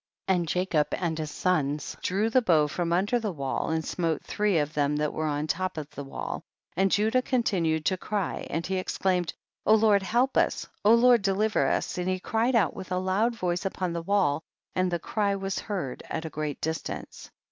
32. And Jacob and his sons drew the bow from under the wall, and smote three of the men that were upon the top of the wall, and Judah continued to cry and he exclaimed, O Lord help us, Lord deliver us, and he cried out with a loud voice upon the wall, and the cry was heard at a great distance.